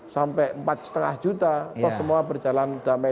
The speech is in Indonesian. sampai empat lima juta toh semua berjalan damai